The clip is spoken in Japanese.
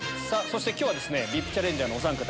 今日はＶＩＰチャレンジャーのおさん方